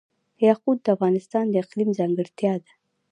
یاقوت د افغانستان د اقلیم ځانګړتیا ده.